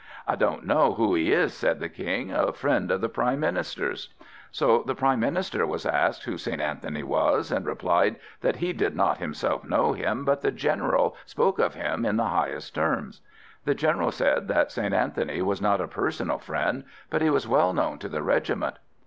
"I don't know who he is," said the King, "a friend of the Prime Minister's." So the Prime Minister was asked who St. Anthony was; and replied that he did not himself know him, but the General spoke of him in the highest terms. The General said that St. Anthony was not a personal friend, but he was well known in the regiment.